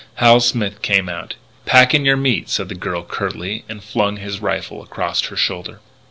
Hal Smith came out. "Pack in your meat," said the girl curtly, and flung his rifle across her shoulder.